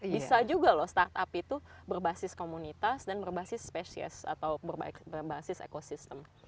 bisa juga loh startup itu berbasis komunitas dan berbasis species atau berbasis ekosistem